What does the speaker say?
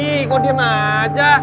ih kau diam aja